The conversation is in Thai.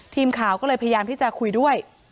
ทีมข่าวก็เลยพยายามที่จะคุยด้วย